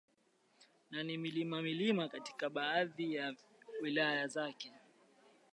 na ni milima milima katika baadhi ya wilaya zake